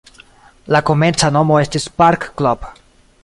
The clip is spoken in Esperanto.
La komenca nomo estis "Park Club".